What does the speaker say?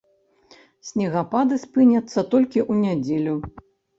Снегапады спыняцца толькі ў нядзелю.